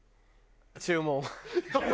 注文。